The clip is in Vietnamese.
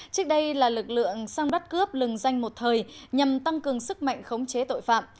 trước đây là lực lượng xăng bắt cướp lừng danh một thời nhằm tăng cường sức mạnh khống chế tội phạm